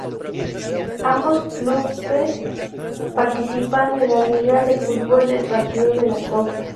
Ambos clubes participan de la Liga de fútbol del Partido de la Costa.